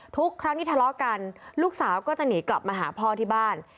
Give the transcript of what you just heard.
ทุกครั้งที่ทะเลาะกันลูกสาวก็จะหนีกลับมาหาพ่อที่บ้าน